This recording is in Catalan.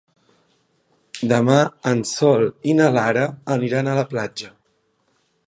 Demà en Sol i na Lara aniran a la platja.